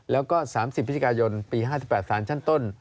แล้วก็๓๐พฤศจิกายนปี๕๘สารชั้นต้น